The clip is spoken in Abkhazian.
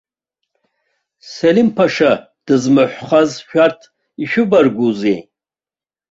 Селым-ԥашьа дызмаҳәхаз шәарҭ ишәыбаргәузеи?